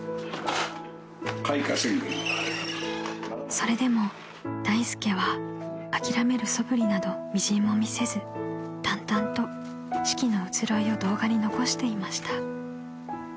［それでも大助は諦めるそぶりなどみじんも見せず淡々と四季の移ろいを動画に残していました］